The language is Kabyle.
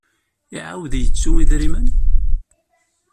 Iɛawed yettu idrimen?